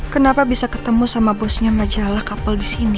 kenapa bisa ketemu sama bosnya majalah kapel disini